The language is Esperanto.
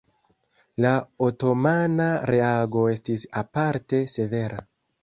La otomana reago estis aparte severa.